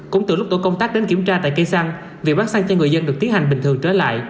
cũng từ lúc tổ công tác đến kiểm tra tại cây xăng việc bán xăng cho người dân được tiến hành bình thường trở lại